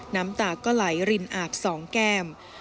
น้ำตาก็ไหลริมอาบ๒แก้ม